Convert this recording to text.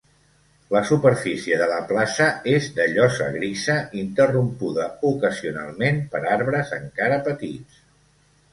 La superfície de la plaça és de llosa grisa, interrompuda ocasionalment per arbres encara petits.